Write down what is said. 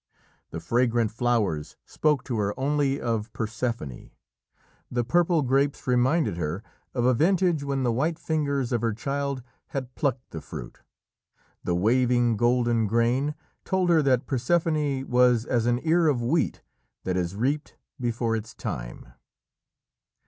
The fragrant flowers spoke to her only of Persephone, the purple grapes reminded her of a vintage when the white fingers of her child had plucked the fruit. The waving golden grain told her that Persephone was as an ear of wheat that is reaped before its time.